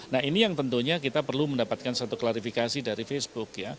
nah ini yang tentunya kita perlu mendapatkan satu klarifikasi dari facebook ya